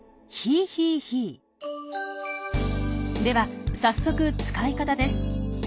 では早速使い方です。